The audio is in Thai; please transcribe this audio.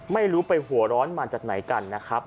ไม่รู้ไปหัวร้อนมาจากไหนกันนะครับ